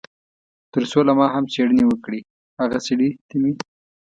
تر څو له ما هم څېړنې وکړي، هغه سړي ته مې.